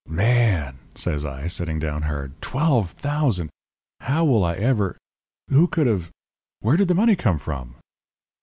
"'Man!' says I, sitting down hard 'twelve thousand how will I ever who could have where did the money come from?'